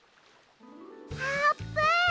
あーぷん！